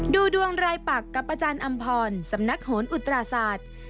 ดูดวงรายปักกับอาจารย์อำพรสำนักโหนอุตราศาสตร์